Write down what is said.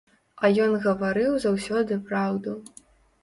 А ён гаварыў заўсёды праўду.